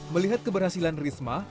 melihat keberhasilan risma